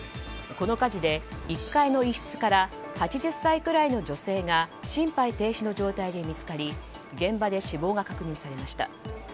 この火事で１階の一室から８０歳くらいの女性が心肺停止の状態で見つかり現場で死亡が確認されました。